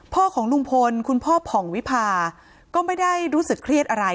ของลุงพลคุณพ่อผ่องวิพาก็ไม่ได้รู้สึกเครียดอะไร